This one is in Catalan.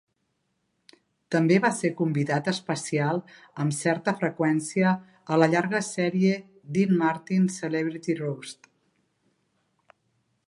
També va ser convidat especial amb certa freqüència a la llarga sèrie 'Dean Martin Celebrity Roast'.